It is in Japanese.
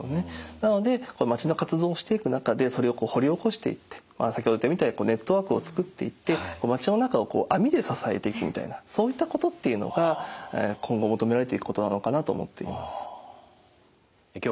なので町の活動をしていく中でそれを掘り起こしていって先ほど言ったみたいにネットワークを作っていって町の中を網で支えていくみたいなそういったことっていうのが今後求められていくことなのかなと思っています。